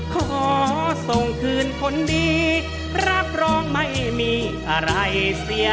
ขอส่งคืนคนดีรับรองไม่มีอะไรเสีย